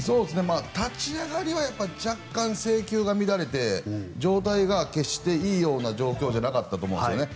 立ち上がりは若干、制球が乱れて状態が決していいような状況ではなかったんです。